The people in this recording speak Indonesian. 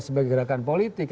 sebagai gerakan politik